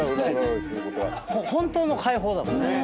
本当の解放だもんね。